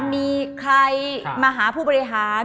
มีใครมาหาผู้บริหาร